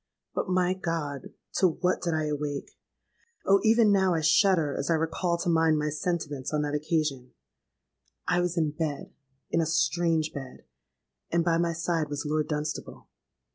"But, my God! to what did I awake? Oh! even now I shudder as I recall to mind my sentiments on that occasion! I was in bed—in a strange bed; and by my side was Lord Dunstable.